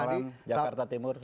selamat malam jakarta timur